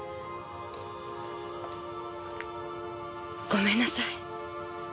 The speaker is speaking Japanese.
ごめんなさい。